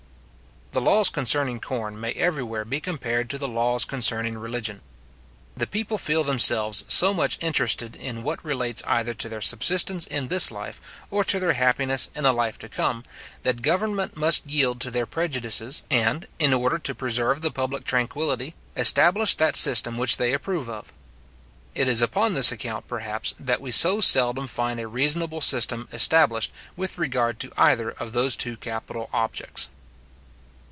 The laws concerning corn may everywhere be compared to the laws concerning religion. The people feel themselves so much interested in what relates either to their subsistence in this life, or to their happiness in a life to come, that government must yield to their prejudices, and, in order to preserve the public tranquillity, establish that system which they approve of. It is upon this account, perhaps, that we so seldom find a reasonable system established with regard to either of those two capital objects.